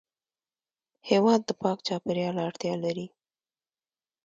هېواد د پاک چاپېریال اړتیا لري.